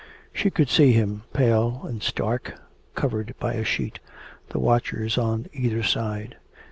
She could see him pale and stark, covered by a sheet, the watchers on either side.